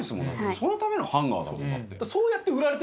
そのためのハンガーだもんだって。